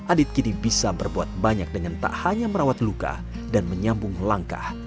adit kini bisa berbuat banyak dengan tak hanya merawat luka dan menyambung langkah